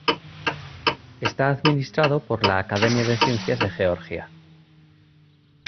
Está administrado por la "Academia de Ciencias de Georgia".